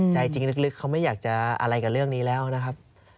ใจจริงลึกเขาไม่อยากจะอะไรกับเรื่องนี้แล้วนะครับ